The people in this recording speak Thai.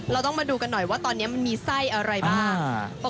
เราก็ต้องมาดูขนาดวาตอนนี้มันมีไส้อะไรบ้าง